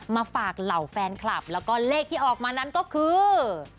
มาฝากเหล่าแฟนคลับแล้วก็เลขที่ออกมานั้นก็คือ